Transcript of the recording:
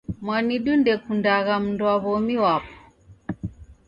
Mwanidu ndekundagha mdu wa w'omi wapo